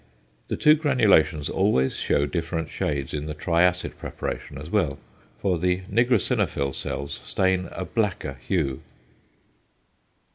The two granulations always show different shades in the triacid preparation as well; for the nigrosinophil cells stain a blacker hue.